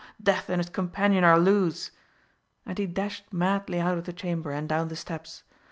Death and his companion are loose!" and he dashed madly out of the chamber and down the steps.